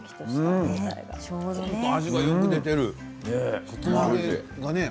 味がよく出ている。